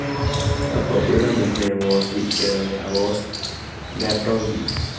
A popular nickname for the area was Gatorville.